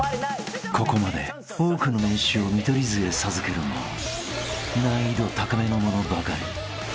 ［ここまで多くの名刺を見取り図へ授けるも難易度高めのものばかり］